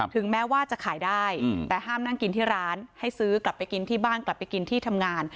ถึงแม้ว่าจะขายได้แต่ห้ามนั่งกินที่ร้านให้ซื้อกลับไปกินที่บ้านกลับไปกินที่ทำงาน